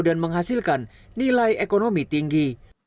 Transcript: dan menghasilkan nilai ekonomi tinggi